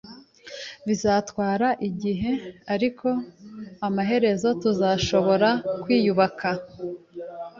Bizatwara igihe, ariko amaherezo tuzashobora kwiyubaka.